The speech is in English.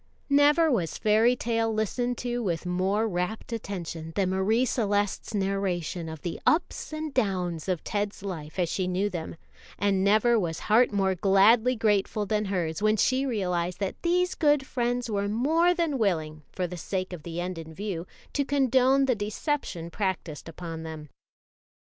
[Illustration: 0185] Never was fairy tale listened to with more rapt attention than Marie Celeste's narration of the ups and downs of Ted's life as she knew them, and never was heart more gladly grateful than hers when she realized that these good friends were more than willing, for the sake of the end in view, to condone the deception practised upon them.